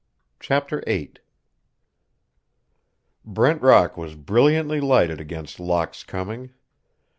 CHAPTER VIII Brent Rock was brilliantly lighted against Locke's coming.